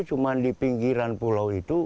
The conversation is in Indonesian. cuma di pinggiran pulau itu